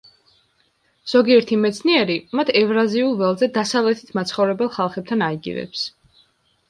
ზოგიერთი მეცნიერი მათ ევრაზიულ ველზე დასავლეთით მაცხოვრებელ ხალხებთან აიგივებს.